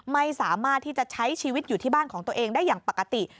ไม่สามารถที่จะใช้ชีวิตอยู่ที่บ้านของตัวเองได้อย่างปกติ